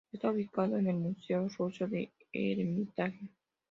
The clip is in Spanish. Está ubicado en el museo ruso del Hermitage.